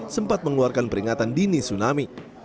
sempat mengeluarkan peringatan dini tsunami